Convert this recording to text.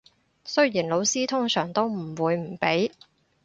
雖然老師通常都唔會唔俾